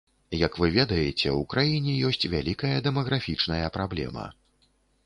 Як вы ведаеце, у краіне ёсць вялікая дэмаграфічная праблема.